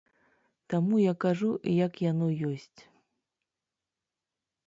Таму я кажу, як яно ёсць!